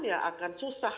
ya akan susah